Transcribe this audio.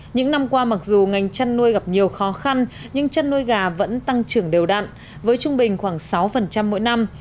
những năm qua mặc dù ngành chăn nuôi gặp nhiều khó khăn nhưng chăn nuôi gà vẫn tăng trưởng đều đặn với trung bình khoảng sáu mỗi năm